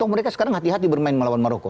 mereka sekarang hati hati bermain melawan maroko